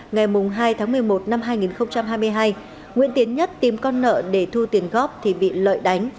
ngày hai tháng một mươi một năm hai nghìn hai mươi hai nguyễn tiến nhất tìm con nợ để thu tiền góp thì bị lợi đánh